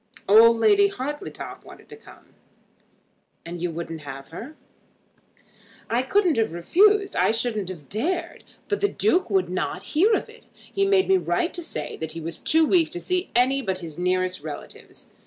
Old Lady Hartletop wanted to come." "And you wouldn't have her?" "I couldn't have refused. I shouldn't have dared. But the Duke would not hear of it. He made me write to say that he was too weak to see any but his nearest relatives.